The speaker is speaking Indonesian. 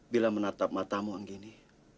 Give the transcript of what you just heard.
bila menatap matamu yang gini